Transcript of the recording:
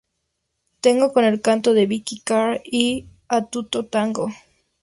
Tango", con el canto de Vikki Carr, y "A Tutto Tango".